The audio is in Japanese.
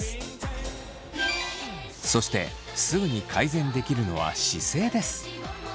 そしてすぐに改善できるのは姿勢です。